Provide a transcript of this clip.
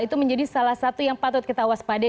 itu menjadi salah satu yang patut kita waspadai